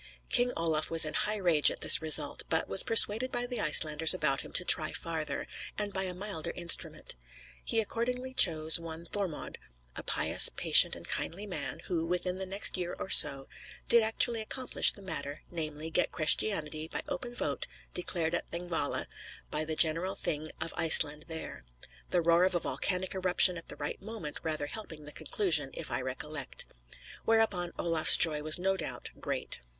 King Olaf was in high rage at this result; but was persuaded by the Icelanders about him to try farther, and by a milder instrument. He accordingly chose one Thormod, a pious, patient, and kindly man, who, within the next year or so, did actually accomplish the matter; namely, get Christianity, by open vote, declared at Thingvalla by the general Thing of Iceland there; the roar of a volcanic eruption at the right moment rather helping the conclusion, if I recollect. Whereupon Olaf's joy was no doubt great.